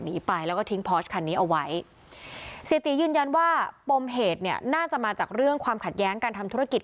หนีไปแล้วก็ทิ้งพอสคันนี้เอาไว้เสียตียืนยันว่าปมเหตุเนี่ยน่าจะมาจากเรื่องความขัดแย้งการทำธุรกิจ